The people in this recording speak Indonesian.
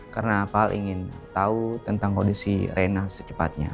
karena pak al ingin tahu tentang kondisi reina secepatnya